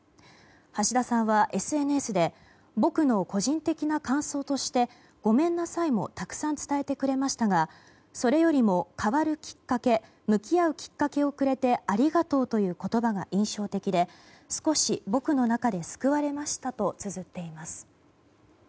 橋田さんはＳＮＳで僕の個人的な感想としてごめんなさいもたくさん伝えてくれましたがそれよりも変わるきっかけ向き合うきっかけをくれてありがとうという言葉が印象的で少し僕の中で救われましたとつづっています。